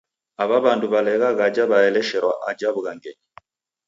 Aw'a w'andu w'alegha ghaja w'aelesherwa aja w'ughangenyi.